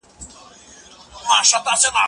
ايا ته د کتابتون د کار مرسته کوې.